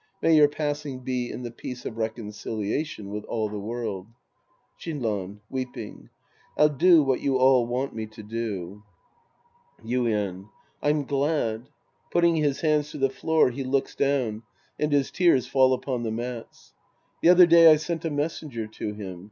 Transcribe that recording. May your passing be in the peace of reconciliation with all the world. Shinran {weeping). I'll do what you all want me to. 232 The Priest and His Disciples Act VI Yuien. I'm glad. {Fitting his hands to the floor, he looks down, and his tears f^U upon the mats.) The other day I sent a messenger to him.